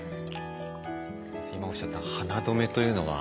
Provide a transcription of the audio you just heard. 今おっしゃった「花留め」というのは？